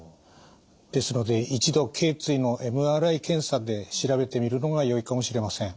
ですので一度けい椎のＭＲＩ検査で調べてみるのがよいかもしれません。